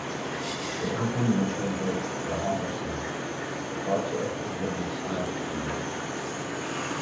شۆھرىتىڭ مەشھۇردۇر جاھانغا سېنىڭ، بارچە ئەل كۆزلىرى ساڭا تىكىلگەن.